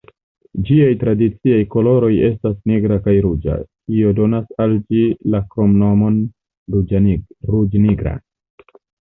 Ĝiaj tradiciaj koloroj estas nigra kaj ruĝa, kio donas al ĝi la kromnomon "ruĝ-nigra".